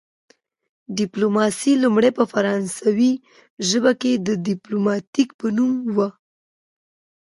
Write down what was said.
ډیپلوماسي لومړی په فرانسوي ژبه کې د ډیپلوماتیک په نوم وه